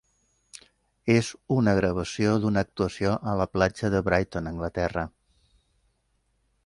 És una gravació d'una actuació a la platja de Brighton, Anglaterra.